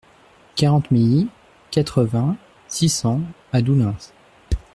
quarante milly, quatre-vingts, six cents à Doullens